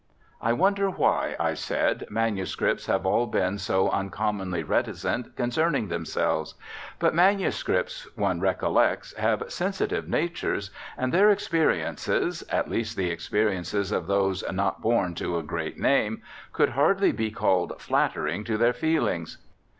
I wonder why, I said, manuscripts have all been so uncommonly reticent concerning themselves. But manuscripts, one recollects, have sensitive natures; and their experiences, at least the experiences of those not born to a great name, could hardly be called flattering to their feelings.